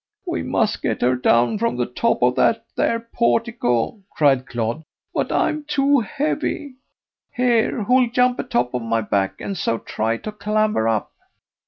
"We must get her down from the top of that there portico," cried Clodd; "but I'm too heavy. Here; who'll jump atop of my back, and so try to clamber up?"